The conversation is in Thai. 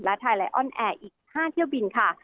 และไทยไลออนแอร์อีก๕เที่ยวบินค่ะ